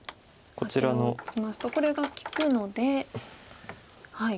アテを打ちますとこれが利くので。